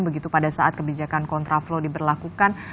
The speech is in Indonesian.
begitu pada saat kebijakan kontra flow diberlakukan